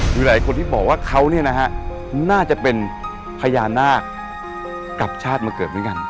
มีหลายคนที่บอกว่าเขาน่าจะเป็นพญานาคกลับชาติมาเกิดเหมือนกัน